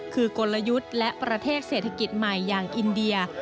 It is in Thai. คือกลยุทธ์และประเทศเศรษฐกิจใหม่อย่างอินเดีย